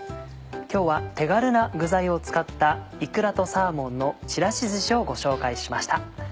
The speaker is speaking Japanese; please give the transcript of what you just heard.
今日は手軽な具材を使った「イクラとサーモンのちらしずし」をご紹介しました。